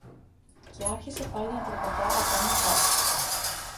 Και άρχισε πάλι να περπατά απάνω-κάτω.